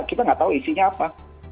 kita nggak tahu isinya apa